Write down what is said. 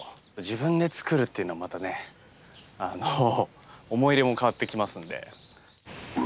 自分で作るっていうのはまたね思い入れも変わってきますんで。